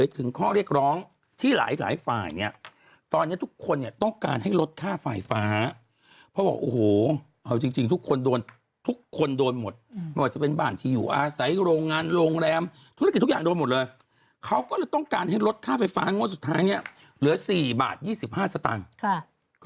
คือวันนี้กรกภปัดตกลดค่าไฟ๔บาท๒๕สตางค์